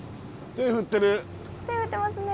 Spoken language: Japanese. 手振ってますね。